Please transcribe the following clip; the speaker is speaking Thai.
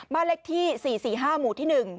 บ้านเลขที่๔๔๕หมู่ที่๑